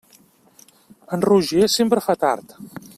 En Roger sempre fa tard.